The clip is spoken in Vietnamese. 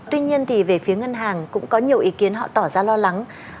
tuy nhiên thì về phía ngân hàng cũng có nhiều ý kiến họ tỏ ra lo lắng